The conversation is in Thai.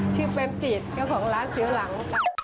ชื่อเป็นปีศชื่อของร้านเสียวหลัง